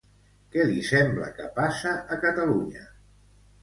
Què li sembla que passa a Catalunya?